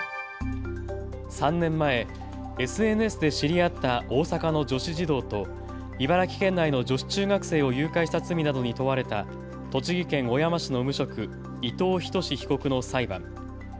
３年前、ＳＮＳで知り合った大阪の女子児童と茨城県内の女子中学生を誘拐した罪などに問われた栃木県小山市の無職、伊藤仁士被告の裁判。